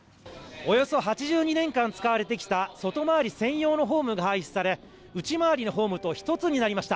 およそ８２年間使われてきた外回り専用のホームが廃止され内回りのホームと１つになりました。